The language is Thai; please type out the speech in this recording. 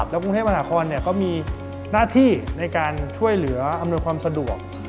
แล้วกรุงเทพมหานครก็มีหน้าที่ในการช่วยเหลืออำนวยความสะดวก